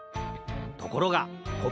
ところがこ